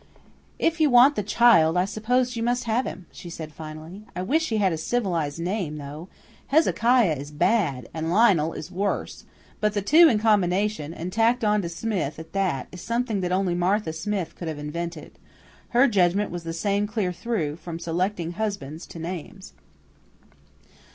"If you want the child, I suppose you must have him," she said finally. "I wish he had a civilized name, though. Hezekiah is bad, and Lionel is worse; but the two in combination, and tacked on to Smith at that, is something that only Martha Smith could have invented. Her judgment was the same clear through, from selecting husbands to names."